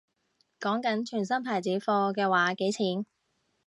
講緊全新牌子貨嘅話幾錢